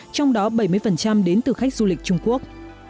trong đó bảy mươi đến từ khách du lịch trung quốc